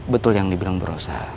betul yang dibilang berosah